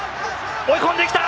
追い込んできた！